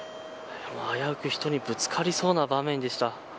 危うく人にぶつかりそうな場面でした。